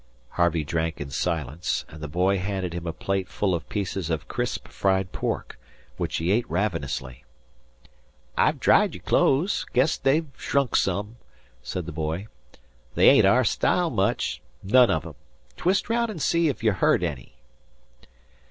Harvey drank in silence, and the boy handed him a plate full of pieces of crisp fried pork, which he ate ravenously. "I've dried your clothes. Guess they've shrunk some," said the boy. "They ain't our style much none of 'em. Twist round an' see if you're hurt any."